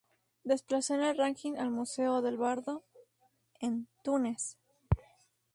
Desplazó en el ranking al Museo del Bardo, en Túnez.